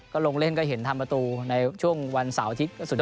ก็ลงเล่นก็เห็นทำประตูในช่วงวันเสาร์อาทิตย์